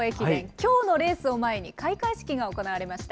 きょうのレースを前に、開会式が行われました。